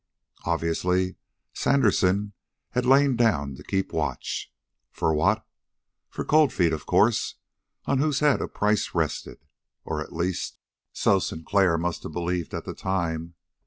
Obviously Sandersen had lain down to keep watch. For what? For Cold Feet, of course, on whose head a price rested. Or, at least, so Sinclair must have believed at the time.